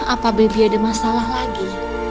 apa baby ada masalah lagi